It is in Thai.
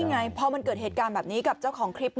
ไงพอมันเกิดเหตุการณ์แบบนี้กับเจ้าของคลิป